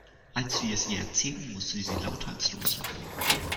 Als wir es ihr erzählten, musste sie lauthals loslachen.